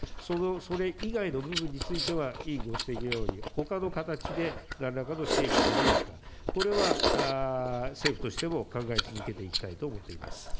それ以外の部分については、委員ご指摘のように、ほかの形でなんらかの支援ができないか、これは政府としても考え続けていきたいと思っています。